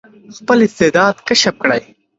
خپل استعداد کشف کړئ.